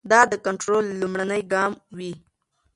دا د کنټرول لومړنی ګام وي.